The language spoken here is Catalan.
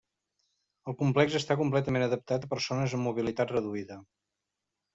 El complex està completament adaptat per a persones amb mobilitat reduïda.